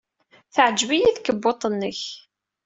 Teɛjeb-iyi tkebbuḍt-nnek.